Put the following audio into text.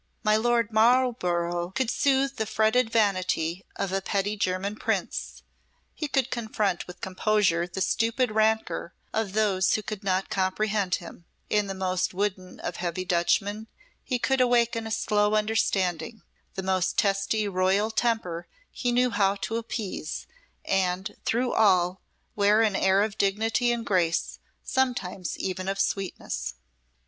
My Lord Marlborough could soothe the fretted vanity of a petty German Prince, he could confront with composure the stupid rancour of those who could not comprehend him, in the most wooden of heavy Dutchmen he could awaken a slow understanding, the most testy royal temper he knew how to appease, and, through all, wear an air of dignity and grace, sometimes even of sweetness.